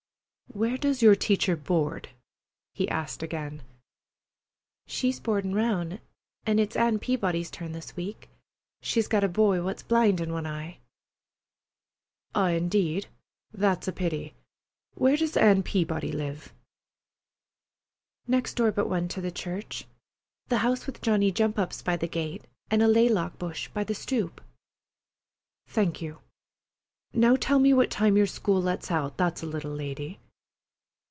"Where does your teacher board?" he asked again. "She's boardin' round, an' it's Ann Peabody's turn this week. She's got a boy what's blind in one eye." "Ah! Indeed! That's a pity. Where does Ann Peabody live?" "Next door but one to the church. The house with Johnny jump ups by the gate, an' a laylock bush by the stoop." "Thank you. Now tell me what time your school lets out, that's a little lady."